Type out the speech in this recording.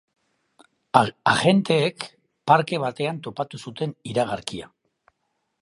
Agenteek parke batean topatu zuten iragarkia.